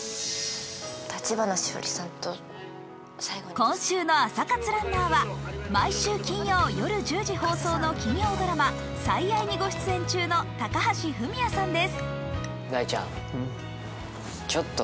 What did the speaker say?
今週の朝活ランナーは毎週金曜夜１０時放送の金曜ドラマ、「最愛」に御出演中の高橋文哉さんです。